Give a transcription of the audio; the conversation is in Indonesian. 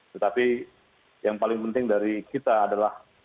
tetapi yang paling penting dari kita adalah